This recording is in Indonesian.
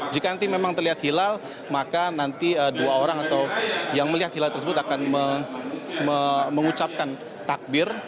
jika nanti memang terlihat hilal maka nanti dua orang atau yang melihat hilal tersebut akan mengucapkan takbir